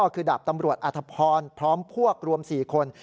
คือดาบตำรวจอธพรพร้อมพวกรวม๔คน